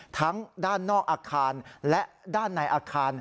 ทั้งด้านนอกอาคารและด้านในอาคาร